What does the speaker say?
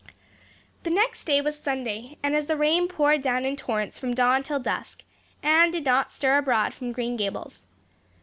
The next day was Sunday and as the rain poured down in torrents from dawn till dusk Anne did not stir abroad from Green Gables.